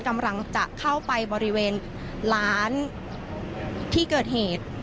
กำลังจะเข้าไปบริเวณร้านที่เกิดเหตุ